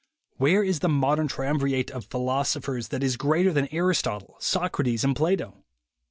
Where is the modern triumvirate of philos ophers that is greater than Aristotle, Socrates and Plato?